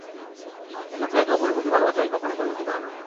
একমাত্র একে অপরের প্রতি ভালোবাসাই কখনো পরিবর্তিত হয় না।